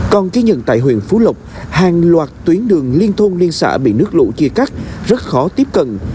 còn ghi nhận tại huyện phú lộc hàng loạt tuyến đường liên thôn liên xã bị nước lũ chia cắt rất khó tiếp cận